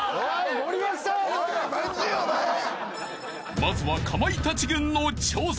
［まずはかまいたち軍の挑戦］